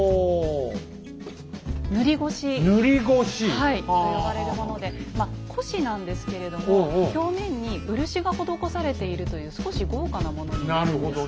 はいと呼ばれるものでまあ輿なんですけれども表面に漆が施されているという少し豪華なものになるんですね。